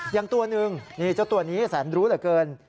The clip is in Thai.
อย่างตัวหนึ่งนี่เจ้าตัวนี้แสนรู้เหลือเกิน